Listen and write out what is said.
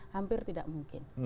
hampir tidak mungkin